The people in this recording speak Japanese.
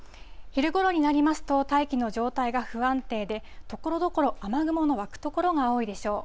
昼ごろになりますと、大気の状態が不安定で、ところどころ、雨雲の湧く所が多いでしょう。